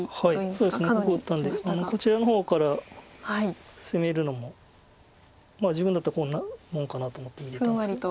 ここ打ったんでこちらの方から攻めるのも自分だったらこんなもんかなと思って見てたんですけど。